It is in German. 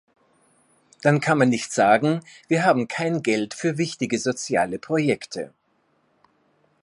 Dann kann man nicht sagen, wir haben kein Geld für wichtige soziale Projekte.